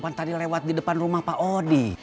yang tadi lewat di depan rumah pak odi